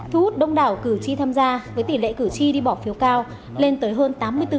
thu hút đông đảo cử tri tham gia với tỷ lệ cử tri đi bỏ phiếu cao lên tới hơn tám mươi bốn